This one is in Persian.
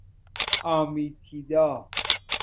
آمیتیدا